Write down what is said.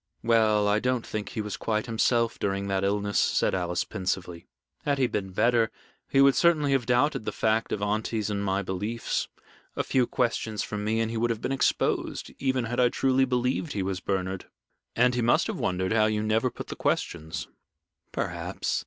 "Well, I don't think he was quite himself during that illness," said Alice, pensively. "Had he been better, he would certainly have doubted the fact of aunty's and my beliefs. A few questions from me, and he would have been exposed, even had I truly believed he was Bernard." "And he must have wondered how you never put the questions." "Perhaps.